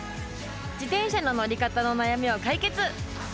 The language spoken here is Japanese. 自転車の乗り方の悩みを解決！